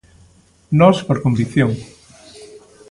Nós, por convicción.